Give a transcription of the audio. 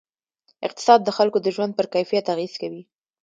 اقتصاد د خلکو د ژوند پر کیفیت اغېز کوي.